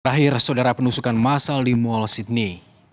terakhir saudara penusukan masal di mual sydney